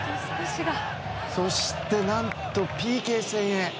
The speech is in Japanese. そして、何とＰＫ戦へ。